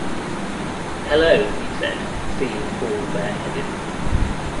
“Hello!” he said, seeing Paul bareheaded.